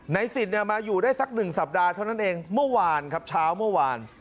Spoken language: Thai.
สิทธิ์มาอยู่ได้สักหนึ่งสัปดาห์เท่านั้นเองเมื่อวานครับเช้าเมื่อวาน